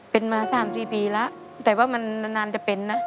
เป็นมา๓๔ปีแล้วแต่ว่ามันนานจะเป็นนะ